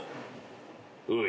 おい。